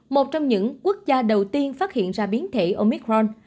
một trong những quốc gia đầu tiên phát hiện ra biến thể omicron